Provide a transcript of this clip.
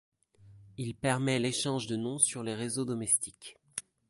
Il permet l'échange de noms sur les réseaux domestiques.